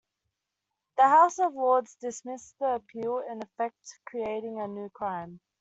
The House of Lords dismissed the appeal, in effect creating a new crime.